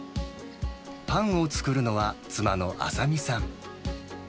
パンを作るのは、妻の麻未さん。